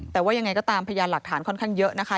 แต่ว่ายังไงก็ตามพยานหลักฐานค่อนข้างเยอะนะคะ